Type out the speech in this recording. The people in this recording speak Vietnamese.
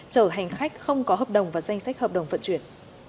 chở hành khách không có hợp đồng và danh sách hợp đồng vận chuyển